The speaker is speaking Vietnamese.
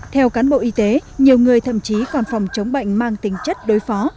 theo cán bộ y tế nhiều người thậm chí còn phòng chống bệnh mang tính chất đối phó